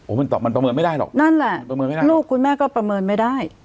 มันตอบมันประเมินไม่ได้หรอกนั่นแหละประเมินไม่ได้ลูกคุณแม่ก็ประเมินไม่ได้